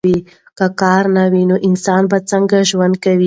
که کار نه وي نو انسان به څنګه ژوند کوي؟